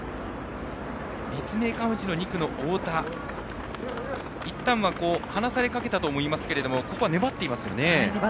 立命館宇治の２区の太田いったんは離されかけたと思いますけれどもここは粘っていますね。